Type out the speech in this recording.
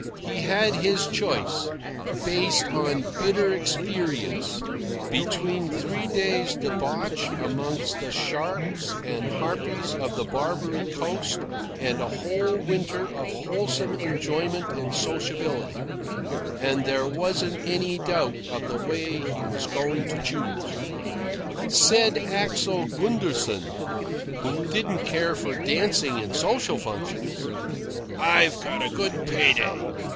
He had his choice, based on bitter experience, between three days' debauch among the sharks and harpies of the Barbary Coast and a whole winter of wholesome enjoyment and sociability, and there wasn't any doubt of the way he was going to choose. Said Axel Gunderson, who didn't care for dancing and social functions: "I've got a good pay day.